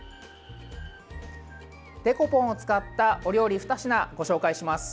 デコポンを使ったお料理２品ご紹介します。